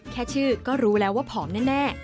แค่ชื่อก็รู้แล้วว่าผอมแน่